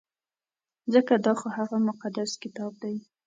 ځکه دا خو هغه مقدس کتاب دی.